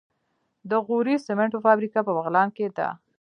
د غوري سمنټو فابریکه په بغلان کې ده.